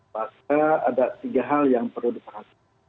maka ada tiga hal yang perlu diperhatikan